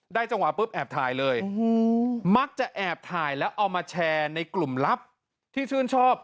จังหวะปุ๊บแอบถ่ายเลยมักจะแอบถ่ายแล้วเอามาแชร์ในกลุ่มลับที่ชื่นชอบ